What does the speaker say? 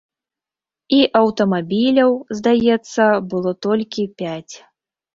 І аўтамабіляў, здаецца, было толькі пяць.